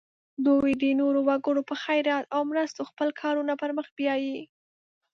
دوی د نورو وګړو په خیرات او مرستو خپل کارونه پر مخ بیایي.